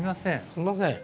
すみません。